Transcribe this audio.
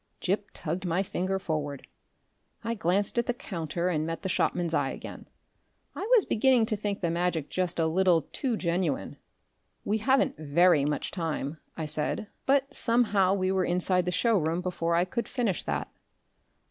Gip tugged my finger forward. I glanced at the counter and met the shopman's eye again. I was beginning to think the magic just a little too genuine. "We haven't VERY much time," I said. But somehow we were inside the show room before I could finish that.